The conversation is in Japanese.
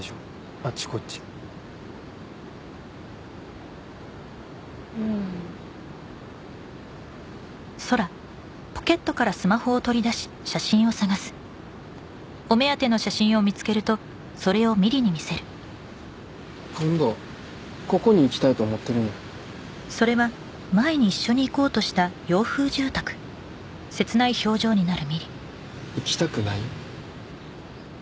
あっちこっちうん今度ここに行きたいと思ってるんや行きたくない？